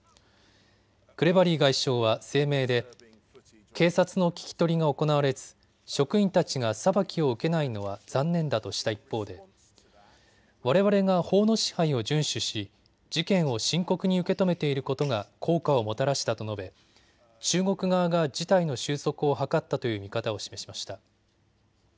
クレバリー外相は声明で警察の聞き取りが行われず職員たちが裁きを受けないのは残念だとした一方でわれわれが法の支配を順守し事件を深刻に受け止めていることが効果をもたらしたと述べ中国側が事態の収束を図ったという見方を示しました。